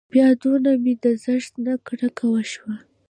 بيا دونه مې د زړښت نه کرکه وشوه.